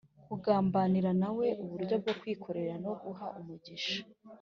kugambanira na we uburyo bwo kwikorera no guha umugisha